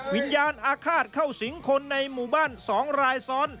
วิญญาณอาฆาตเข้าสิงคลในหมู่บ้านสองรายศร